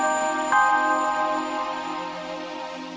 dan akhirnya masuk kebies